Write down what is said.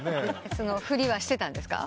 振りはしてたんですか？